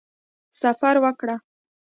سفر وکړ.